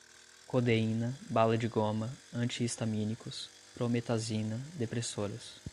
codeína, bala de goma, anti-histamínicos, prometazina, depressoras